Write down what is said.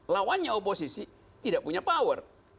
lawannya oposisi tidak punya power